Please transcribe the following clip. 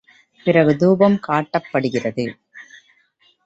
பிறகு தூபம் காட்டப்படுகிறது.